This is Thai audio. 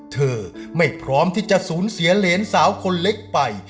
เธอไม่พร้อมที่จะสูญเสียเหรนสาวคนเล็กไป